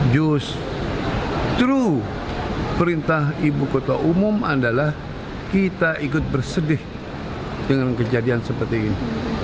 justru perintah ibu kota umum adalah kita ikut bersedih dengan kejadian seperti ini